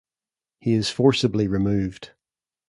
He is forcibly removed.